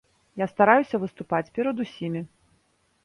Я стараюся выступаць перад усімі.